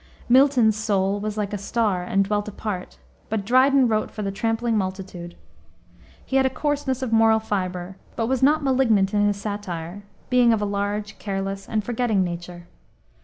Milton's "soul was like a star and dwelt apart," but Dryden wrote for the trampling multitude. He had a coarseness of moral fiber, but was not malignant in his satire, being of a large, careless, and forgetting nature.